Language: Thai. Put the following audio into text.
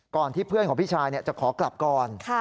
ที่เพื่อนของพี่ชายจะขอกลับก่อน